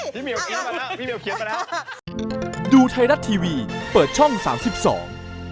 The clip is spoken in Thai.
พี่เมียวเขียนไปแล้ว